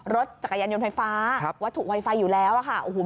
รถจักรยานยนต์ไฟฟ้าวัตถุไวไฟอยู่แล้วอะค่ะโอ้โห